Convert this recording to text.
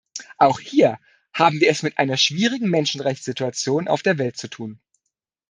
Auch hier haben wir es mit einer schwierigen Menschenrechtssituation auf der Welt zu tun.